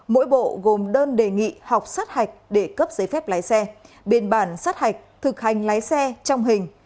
mỗi bộ gồm đơn đề nghị học sát hạch để cấp giấy phép lái xe biên bản sát hạch thực hành lái xe trong hình